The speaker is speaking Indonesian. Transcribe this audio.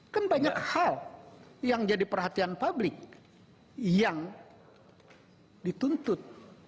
kan banyak hal yang jadi perhatian publik yang dituntut